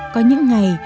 có những ngày